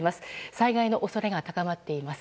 災害の恐れが高まっています。